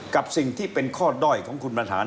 กับสิ่งที่เป็นข้อด้อยของคุณบรรหาร